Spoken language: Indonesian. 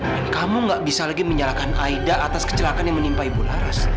dan kamu gak bisa lagi menyalahkan aida atas kecelakaan yang menimpa ibu laras